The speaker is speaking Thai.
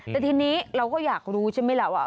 แต่ทีนี้เราก็อยากรู้ใช่ไหมล่ะว่า